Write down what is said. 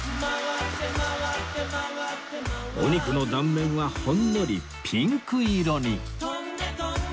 お肉の断面はほんのりピンク色に